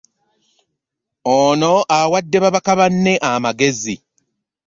Ono awadde babaka banne amagezi.